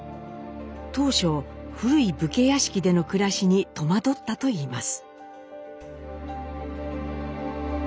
当初古い武家屋敷での暮らしに戸惑ったといいます。